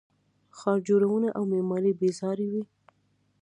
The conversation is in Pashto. ښار جوړونه او معمارۍ بې ساري وه